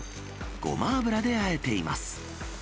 ごま油であえています。